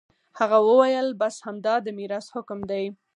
هغه وويل بس همدا د ميراث حکم دى.